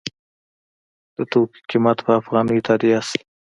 د توکو قیمت په افغانیو تادیه شي.